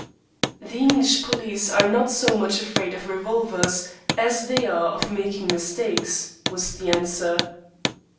"The English police are not so much afraid of revolvers as they are of making mistakes," was the answer.